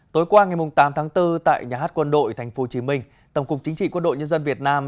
tối qua ngày tám tháng bốn tại nhà hát quân đội tp hcm tổng cục chính trị quân đội nhân dân việt nam